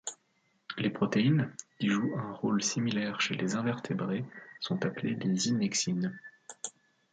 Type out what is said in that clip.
Les protéines qui jouent un rôle similaire chez les invertébrés sont appelées des innexines.